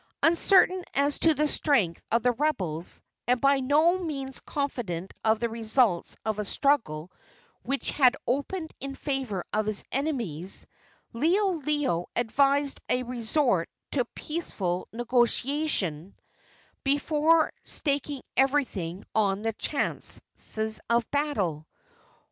Uncertain as to the strength of the rebels, and by no means confident of the results of a struggle which had opened in favor of his enemies, Liholiho advised a resort to peaceful negotiations before staking everything on the chances of battle.